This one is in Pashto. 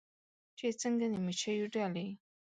چې څنګه د مچېو ډلې